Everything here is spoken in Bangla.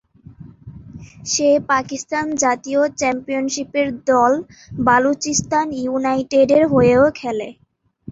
সে পাকিস্তান জাতীয় চ্যাম্পিয়নশিপের দল বালুচিস্তান ইউনাইটেডের হয়েও খেলে।